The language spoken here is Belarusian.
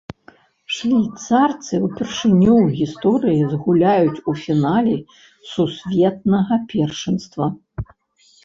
Швейцарцы ўпершыню ў гісторыі згуляюць у фінале сусветнага першынства!